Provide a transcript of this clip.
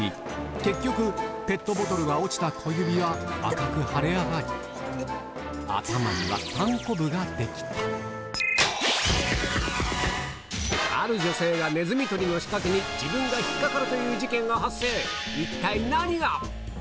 結局ペットボトルが落ちた小指は赤く腫れ上がり頭にはタンコブが出来たある女性がネズミ捕りの仕掛けに自分が引っ掛かるという事件が発生一体何が？